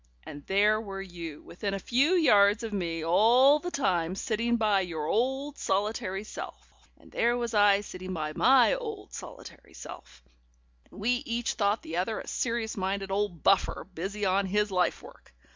And there were you within a few yards of me all the time sitting by your old solitary self, and there was I sitting by my old solitary self, and we each thought the other a serious minded old buffer, busy on his life work.